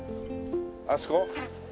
あそこ？